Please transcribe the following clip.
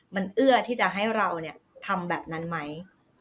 มันเอื้อที่จะให้เราทำแบบนั้นไหม